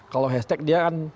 kalau hashtag dia kan